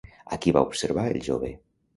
A qui va observar el jove?